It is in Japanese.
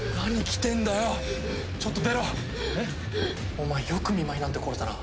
お前よく見舞いなんて来れたな。